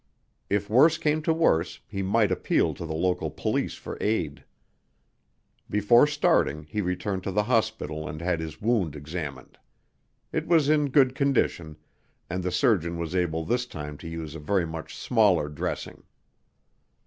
If worse came to worse, he might appeal to the local police for aid. Before starting, he returned to the hospital and had his wound examined. It was in good condition and the surgeon was able this time to use a very much smaller dressing.